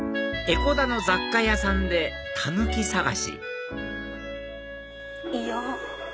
江古田の雑貨屋さんでタヌキ探しいいよ。